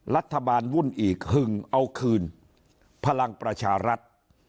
วุ่นอีกหึงเอาคืนพลังประชารัฐ